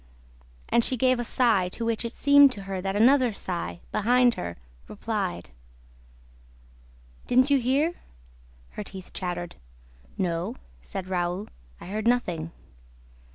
And she gave a sigh to which it seemed to her that another sigh, behind her, replied. "Didn't you hear?" Her teeth chattered. "No," said Raoul, "I heard nothing."